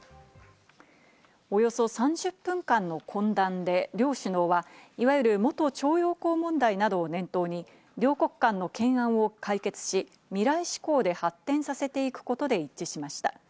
およそ３０分間の懇談で、両首脳はいわゆる元徴用工問題などを念頭に両国間の懸案を解決し、未来志向で発展させていくことで一致しました。